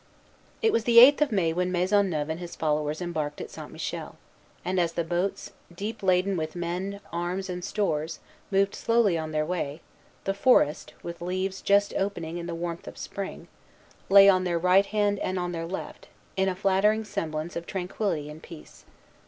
It was the eighth of May when Maisonneuve and his followers embarked at St. Michel; and as the boats, deep laden with men, arms, and stores, moved slowly on their way, the forest, with leaves just opening in the warmth of spring, lay on their right hand and on their left, in a flattering semblance of tranquillity and peace.